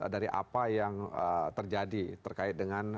dari apa yang terjadi terkait dengan